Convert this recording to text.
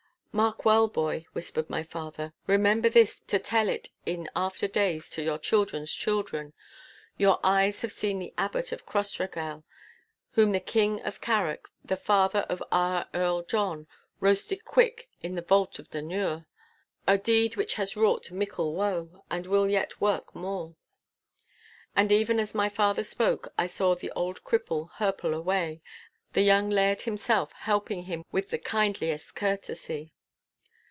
'Mark well, boy,' whispered my father; 'remember this to tell it in after days to your children's children. Your eyes have seen the Abbot of Crossraguel whom the King of Carrick, the father of our Earl John, roasted quick in the vault of Dunure—a deed which has wrought mickle woe, and will yet work more.' And even as my father spoke I saw the old cripple hirple away, the young Laird himself helping him with the kindliest courtesy.